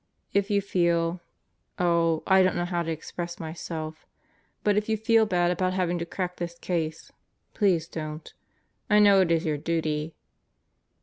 If you feel Oh, I don't know how to express myself, but if you feel bad about having to crack this case, please don't. I know it is your duty.